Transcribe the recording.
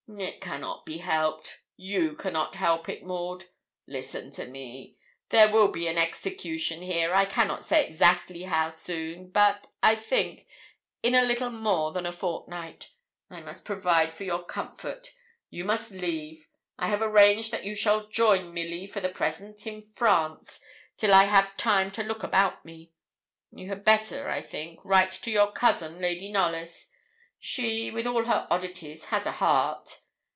'It cannot be helped you cannot help it, Maud. Listen to me. There will be an execution here, I cannot say exactly how soon, but, I think, in a little more than a fortnight. I must provide for your comfort. You must leave. I have arranged that you shall join Milly, for the present, in France, till I have time to look about me. You had better, I think, write to your cousin, Lady Knollys. She, with all her oddities, has a heart.